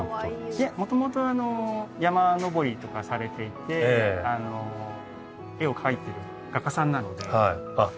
いえ元々山登りとかされていて絵を描いている画家さんなのではいあっ